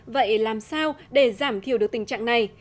vậy làm sao để giảm thiểu được tình trạng này